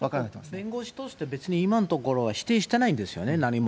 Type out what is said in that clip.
弁護士として、別に今のところは否定してないんですよね、なんにも。